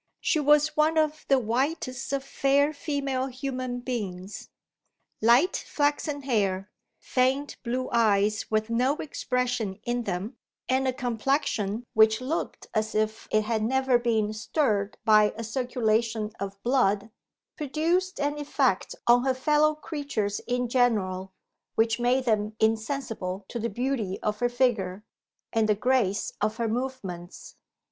She was one of the whitest of fair female human beings. Light flaxen hair, faint blue eyes with no expression in them, and a complexion which looked as if it had never been stirred by a circulation of blood, produced an effect on her fellow creatures in general which made them insensible to the beauty of her figure, and the grace of her movements.